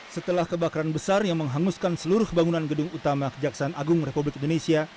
setelah kebakaran besar yang menghanguskan seluruh bangunan gedung utama kejaksaan agung republik indonesia